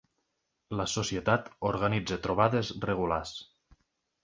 La Societat organitza trobades regulars.